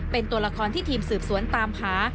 เป็นตัวละครที่ทีมสืบสวนตามหา